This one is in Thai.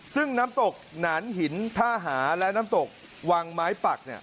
ซึ่งน้ำตกหนานหินท่าหาและน้ำตกวังไม้ปัก